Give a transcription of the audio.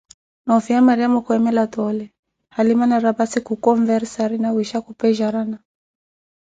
No'fiya Mariamo kwemela tole, halima na raphassi kukhonversaraza nawisha khupejarana